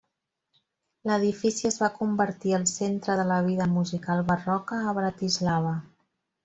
L'edifici es va convertir al centre de la vida musical barroca a Bratislava.